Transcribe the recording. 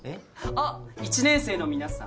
あっ１年生の皆さん。